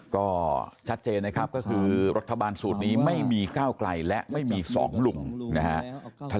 ก็ชัดเจนนะครับก็คือรัฐบาลสูตรนี้ไม่มีก้าวไกลและไม่มีสองลุงนะฮะ